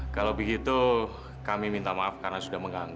kalau begitu kami minta maaf karena sudah mengganggu